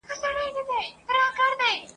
چي تر منځ به مو طلاوي وای وېشلي ..